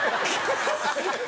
ハハハハ！